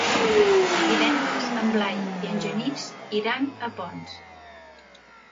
Divendres en Blai i en Genís iran a Ponts.